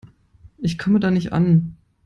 Ich komme da nicht an.